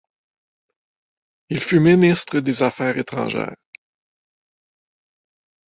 Il fut ministre des Affaires étrangères.